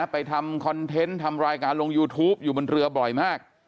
ทำคอนเทนต์ทำรายการลงยูทูปอยู่บนเรือบ่อยมาก